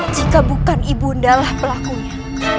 jika bukan ibundalah pelakunya